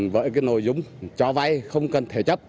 với cái nội dung cho vai không cần thể chấp